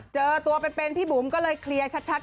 เจอตัวเป็นพี่บุ๋มก็เลยเคลียร์ชัด